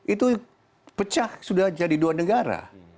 itu pecah sudah jadi dua negara